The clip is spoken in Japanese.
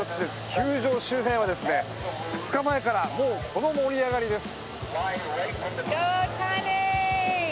球場周辺は２日前からもうこの盛り上がりです。